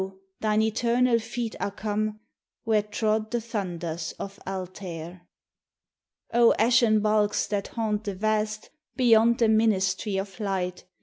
thine eternal feet are come Where trod the thunders of Altair. O ashen bulks that haunt the Vast, Beyond the ministry of Light!